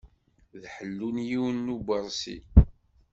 D ḥellu n yiwen n uberṣi.